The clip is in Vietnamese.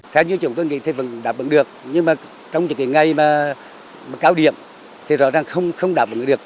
theo như chúng tôi nghĩ thì vẫn đảm bảo được nhưng mà trong những ngày mà cao điểm thì rõ ràng không đảm bảo được